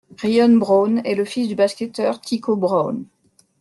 Rion Brown est le fils du basketteur Tico Brown.